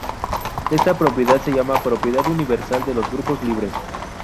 Esta propiedad se llama propiedad universal de los grupos libres.